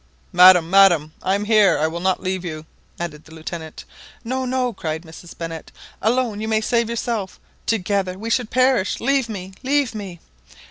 "Madam, madam, I am here! I will not leave you!" added the Lieutenant. "No, no," cried Mrs Barnett : "alone, you may save yourself; together, we should perish. Leave me! leave me!"